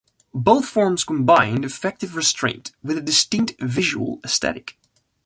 Both forms combined effective restraint with a distinct visual aesthetic.